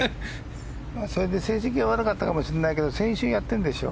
それで成績は悪かったかもしれないけど先週にやってるんでしょう。